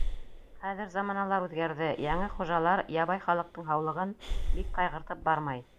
Хәҙер заманалар үҙгәрҙе, яңы хужалар ябай халыҡтың һаулығын бик ҡайғыртып бармай.